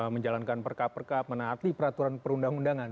menjalankan perkab perkab menaati peraturan perundang undangan